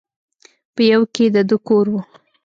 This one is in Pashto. په يوه کښې د ده کور و.